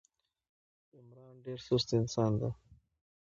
عمران ډېر سوست انسان ده.